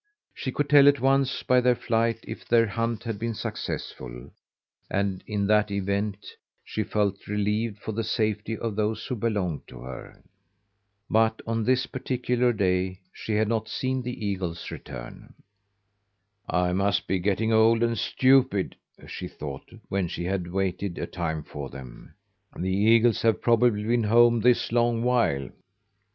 She could tell at once by their flight if their hunt had been successful, and in that event she felt relieved for the safety of those who belonged to her. But on this particular day she had not seen the eagles return. "I must be getting old and stupid," she thought, when she had waited a time for them. "The eagles have probably been home this long while."